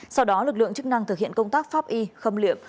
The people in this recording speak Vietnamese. sau đó lực lượng chức năng thực hiện công tác pháp y khâm liệm